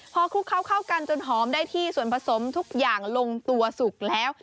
พอคลุกเคล้าเข้ากันจนหอมได้ที่ส่วนผสมทุกอย่างลงตัวสุกแล้ว